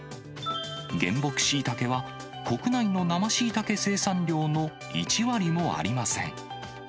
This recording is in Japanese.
原木シイタケは、国内の生シイタケ生産量の１割もありません。